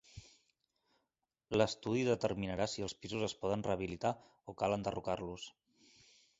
L'estudi determinarà si els pisos es poden rehabilitar o cal enderrocar-los.